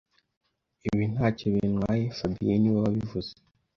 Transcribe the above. Ibi ntacyo bintwaye fabien niwe wabivuze